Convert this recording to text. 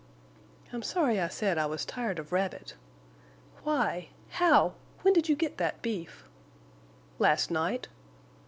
"I'm sorry I said I was tired of rabbit. Why! How—When did you get that beef?" "Last night."